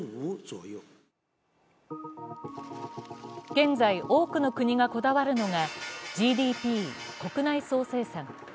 現在、多くの国がこだわるのがＧＤＰ＝国内総生産。